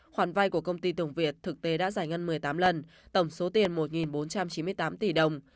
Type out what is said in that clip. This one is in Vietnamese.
khoản vay của công ty tường việt thực tế đã giải ngân một mươi tám lần tổng số tiền một bốn trăm chín mươi tám tỷ đồng